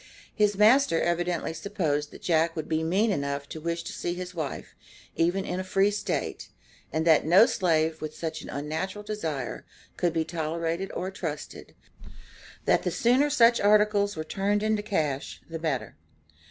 His master evidently supposed that Jack would be mean enough to wish to see his wife, even in a free State, and that no slave, with such an unnatural desire, could be tolerated or trusted, that the sooner such "articles" were turned into cash the better.